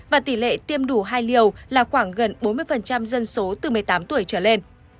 và tỷ lệ tiêm đủ hai liều là khoảng gần bốn mươi dân số từ một mươi tám tuổi trở lên